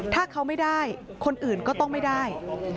ถ้าเขาไม่ได้คนอื่นก็ต้องไม่ได้